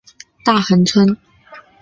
大衡村。